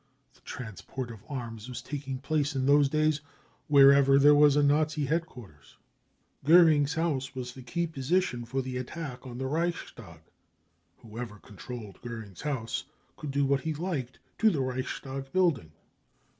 (The transport of arms was taking place in those days wherever there was a Nazi headquarters.) Goering's house was the key position for the attack on the Reichstag. Whoever controlled Goering's house could do what he "liked to the Reichstag building.